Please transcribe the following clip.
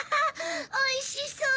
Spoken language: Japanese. おいしそう！